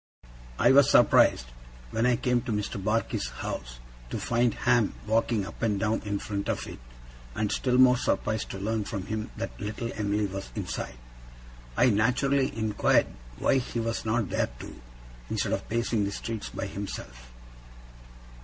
I was surprised, when I came to Mr. Barkis's house, to find Ham walking up and down in front of it, and still more surprised to learn from him that little Em'ly was inside. I naturally inquired why he was not there too, instead of pacing the streets by himself?